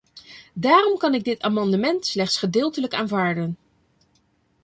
Daarom kan ik dit amendement slechts gedeeltelijk aanvaarden.